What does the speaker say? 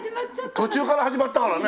途中から始まったからね。